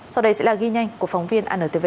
sau đây sẽ là ghi nhanh của phóng viên antv